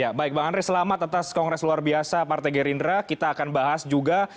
ya baik bang andre selamat atas kongres luar biasa partai gerindra kita akan bahas juga